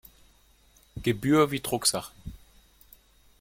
Gebühr wie Drucksachen.